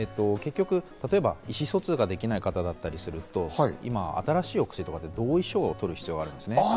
例えば意思疎通ができない方だったりすると、新しいお薬とかって、今は同意書を取る必要があるんですよ。